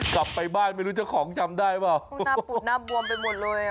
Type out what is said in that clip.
กลับไปบ้านไม่รู้เจ้าของจำได้เปล่าหน้าปูดหน้าบวมไปหมดเลยอ่ะ